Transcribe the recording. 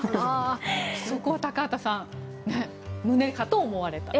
そこを高畑さん胸かと思われた。